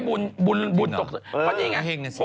อันเนี้ยบุญตกใส่บ้าน